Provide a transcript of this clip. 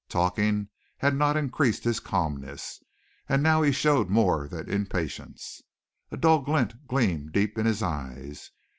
Talking had not increased his calmness, and he now showed more than impatience. A dull glint gleamed deep in his eyes.